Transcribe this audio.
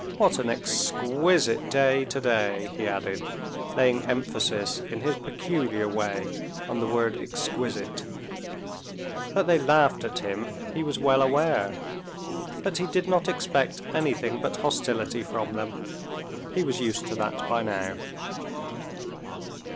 "What an exquisite day today," he added, laying emphasis in his peculiar way on the word exquisite. That they laughed at him he was well aware, but he did not expect anything but hostility from them; he was used to that by now.